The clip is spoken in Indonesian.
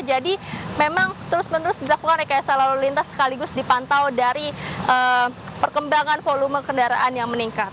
jadi memang terus menerus dilakukan tks selalu lintas sekaligus dipantau dari perkembangan volume kendaraan yang meningkat